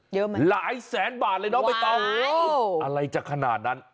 เยอะมั้ยวายอะไรจากขนาดนั้นหลายแสนบาทเลยเนาะไปต่อ